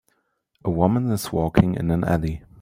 A woman is walking in an alley